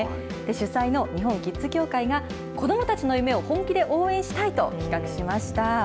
主催の日本キッズ協会が、子どもたちの夢を本気で応援したいと企画しました。